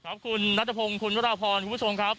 ครับคุณนัทพงศ์คุณวราพรคุณผู้ชมครับ